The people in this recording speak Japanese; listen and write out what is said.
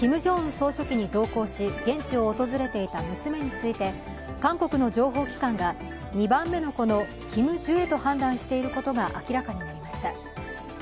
総書記に同行し現地を訪れていた娘について韓国の情報機関が２番目の子のキム・ジュエと判断していることが明らかになりました。